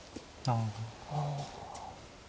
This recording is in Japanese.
ああ。